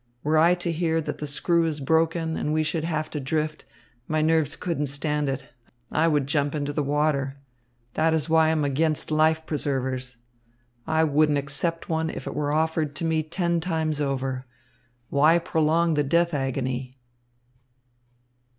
Were I to hear that the screw is broken and we should have to drift, my nerves couldn't stand it. I would jump into the water. That is why I am against life preservers. I wouldn't accept one if it were offered to me ten times over. Why prolong the death agony?"